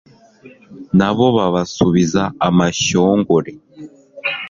Nabo babasubiza amashyongore